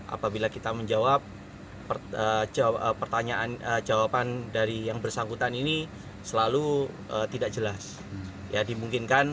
apabila kita menjawab pertanyaan jawaban dari yang bersangkutan ini selalu tidak jelas ya dimungkinkan